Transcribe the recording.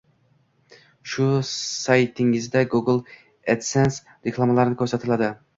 Shu say-tingizda Google adsense reklamalari ko’rsatiladi